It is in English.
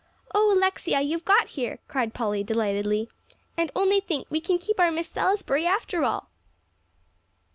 "Oh, Alexia, you've got here!" cried Polly delightedly. "And only think, we can keep our Miss Salisbury after all."